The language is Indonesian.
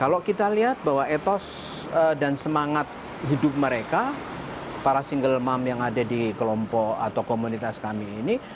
kalau kita lihat bahwa etos dan semangat hidup mereka para single mom yang ada di kelompok atau komunitas kami ini